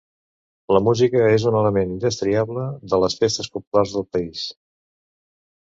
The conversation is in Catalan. La música és un element indestriable de les festes populars del país.